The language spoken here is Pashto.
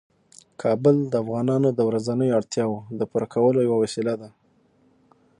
کابل د افغانانو د ورځنیو اړتیاوو د پوره کولو یوه وسیله ده.